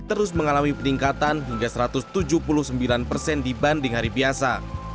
terus mengalami peningkatan hingga satu ratus tujuh puluh sembilan persen dibanding hari biasa